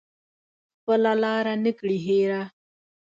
خپله لاره نه کړي هیره